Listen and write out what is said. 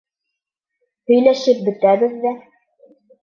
Һөйләшеп бөтәбеҙ ҙә.